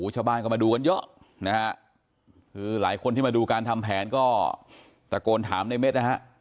ชาวบ้านก็มาดูกันเยอะนะฮะคือหลายคนที่มาดูการทำแผนก็ตะโกนถามในเม็ดนะฮะ